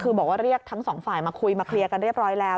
คือบอกว่าเรียกทั้งสองฝ่ายมาคุยมาเคลียร์กันเรียบร้อยแล้ว